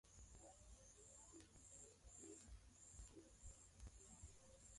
Mukubwa wa inchi ana kataza ku kata michi ndani ya mpango